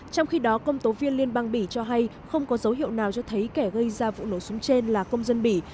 trong khi đó công tố viên liên bang bỉ cho hay không có dấu hiệu nào cho thấy kẻ gây ra vụ nổ súng trên là công dân bỉ